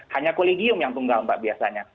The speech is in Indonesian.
hanya kolegium yang tunggal mbak biasanya